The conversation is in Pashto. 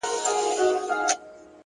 هره هڅه د بریا تخم کرل دي!.